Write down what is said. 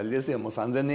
３０００年